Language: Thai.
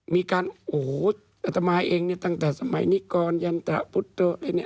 มีการโอ้โหอัตมาเองเนี่ยตั้งแต่สมัยนิกรยันตะพุทธะอะไรเนี่ย